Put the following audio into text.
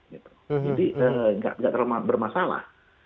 jadi nggak terlalu bermasalah